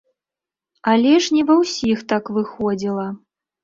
Але ж не ва ўсіх так выходзіла.